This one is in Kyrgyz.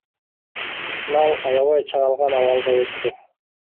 Финал аябай чыңалган абалда өттү.